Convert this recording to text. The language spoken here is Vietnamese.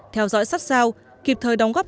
theo dõi sát sao kịp thời đóng góp